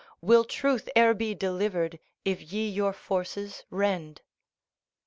Will truth e'er be delivered if ye your forces rend ?"